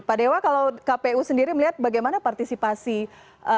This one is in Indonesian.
pak dewa kalau kpu sendiri melihat bagaimana partisipasi masyarakat